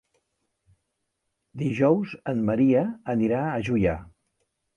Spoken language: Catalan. Dijous en Maria anirà a Juià.